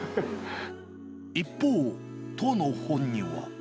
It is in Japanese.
一方、当の本人は。